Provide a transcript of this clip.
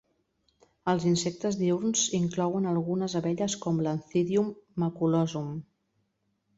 Els insectes diürns inclouen algunes abelles, com l'"Anthidium maculosum.